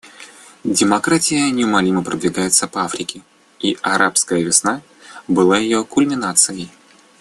Демократия неумолимо продвигается по Африке, и «арабская весна» была ее кульминацией.